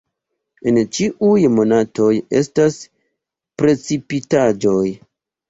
En ĉiuj monatoj estas precipitaĵoj.